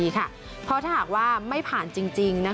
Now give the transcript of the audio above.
เพราะถ้าหากว่าไม่ผ่านจริง